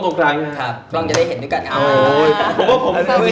ตอบได้ด้วยสุดยอดครับแปลว่าอะไรจะเอามาหาว่าตั้งอยู่ตรงไหนอยู่ตรงไหน